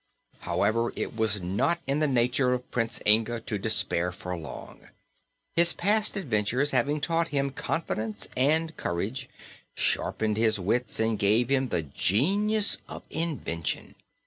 However, it was not in the nature of Prince Inga to despair for long, his past adventures having taught him confidence and courage, sharpened his wits and given him the genius of invention.